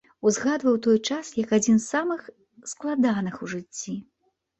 Узгадваў той час як адзін самых складаных у жыцці.